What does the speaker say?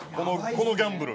このギャンブル。